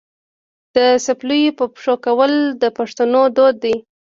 د څپلیو په پښو کول د پښتنو دود دی.